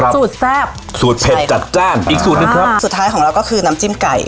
สูตรแซ่บสูตรเผ็ดจัดจ้านอีกสูตรหนึ่งครับสุดท้ายของเราก็คือน้ำจิ้มไก่